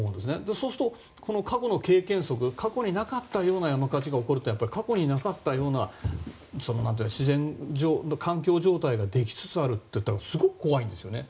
そうすると、過去の経験則過去になかったような山火事が起こるって過去になかったような環境状態ができつつあるというのはすごく怖いんですね。